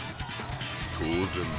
当然だ。